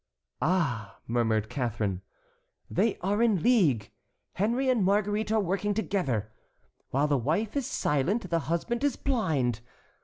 "Ah!" murmured Catharine, "they are in league. Henry and Marguerite are working together. While the wife is silent, the husband is blind.